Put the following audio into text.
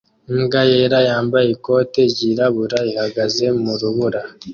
Imbwa yera yambaye ikote ryirabura ihagaze mu rubura